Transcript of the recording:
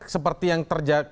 seperti yang terjadi